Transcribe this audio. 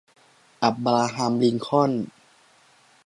อับราฮัม ลิงคอล์น